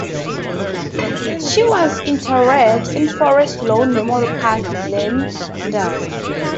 She was interred in Forest Lawn Memorial Park, Glendale.